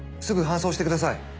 すぐ搬送してください。